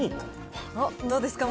どうですか？